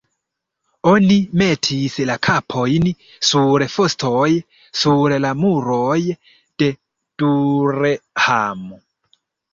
Oni metis la kapojn sur fostoj sur la muroj de Durham.